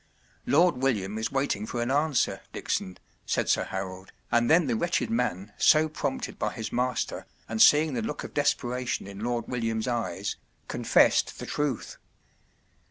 “ Lord William is waiting for an answer, Dickson,” said Sir Harold, and then the wretched man, so prompted by his master and seeing the look of desperation in Lord William’s eyes, confessed the truth.